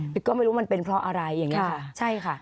เบสก็ไม่รู้ว่ามันเป็นเพราะอะไรอย่างนี้ค่ะ